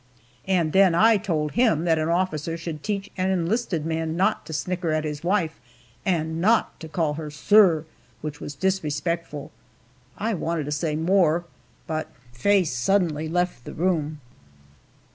And then I told him that an officer should teach an enlisted man not to snicker at his wife, and not to call her "Sorr," which was disrespectful. I wanted to say more, but Faye suddenly left the room.